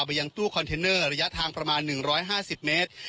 ด้วยคราวไปยังตู้คอนเทนเนอร์ระยะทางประมาณ๑๕๐เมตร